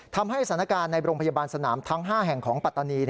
ทำให้สถานการณ์ในโรงพยาบาลสนามทั้ง๕แห่งของปัตตานี